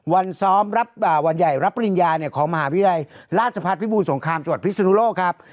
วันส้อมวันใหญ่รับปริญญาของมหาวิทยาลัยลาศพัทธ์พี่บูนสงครามจัวร์พิศนุโลกครับ